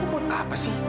buat apa sih